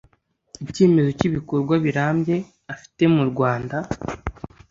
icyemezo cy’ibikorwa birambye afite mu rwanda